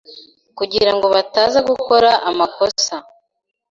kugira ngo bataza gukora amakosa